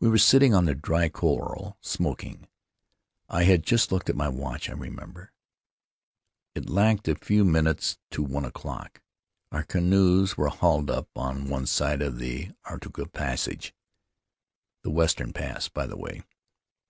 "We were sitting on the dry coral, smoking. I had Faery Lands of the South Seas just looked at my watch, I remember; it lacked a few minutes to one o'clock. Our canoes were hauled up on one side of the Arutunga Passage — the western pass, by the way.